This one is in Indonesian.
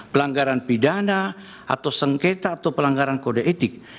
pelanggaran pidana atau sengketa atau pelanggaran kode etik